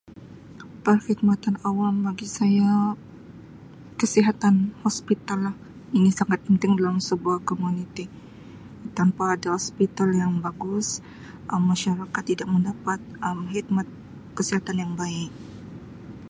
Perkhidmatan awam bagi saya kesihatan hospital lah ini sangat penting dalam sebuah komuniti tanpa ada hospital yang bagus Um masyarakat tidak mendapat Um khidmat kesihatan yang baik.